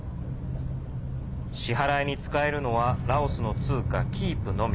支払いに使えるのはラオスの通貨キープのみ。